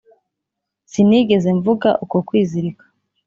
sinigeze mvuga uko kwizirika